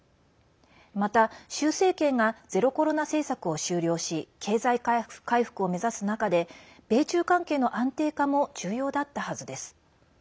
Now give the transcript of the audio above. また、習政権がゼロコロナ政策を終了し経済回復を目指す中で米中関係の安定化も重要だったはずです。